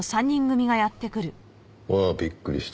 わあびっくりした。